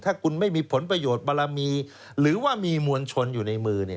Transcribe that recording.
ถ้าคุณไม่มีผลประโยชน์บารมีหรือว่ามีมวลชนอยู่ในมือ